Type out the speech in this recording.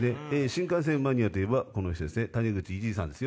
新幹線マニアといえばこの人タニグチさんです